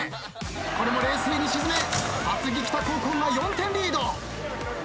これも冷静に沈め厚木北高校が４点リード。